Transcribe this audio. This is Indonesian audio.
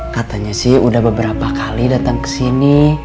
katanya sih udah beberapa kali datang kesini